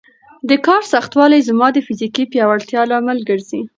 د کار سختوالی زما د فزیکي پیاوړتیا لامل ګرځي.